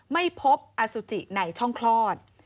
ไม่พบอสุจิในช่องคลอด